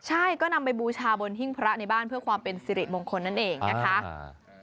ใช่ก็นำไปบูชาบนหิ้งพระในบ้านเพื่อความเป็นสิริมงคลนั่นเองนะคะ